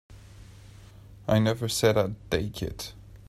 I never said I'd take it.